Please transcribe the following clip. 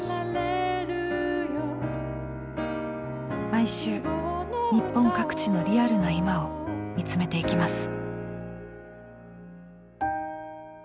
毎週日本各地のリアルな今を見つめていきます。